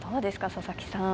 佐々木さん。